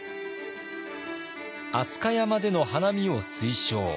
飛鳥山での花見を推奨。